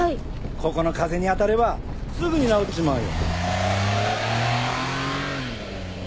ここの風にあたればすぐに治っちまうよ。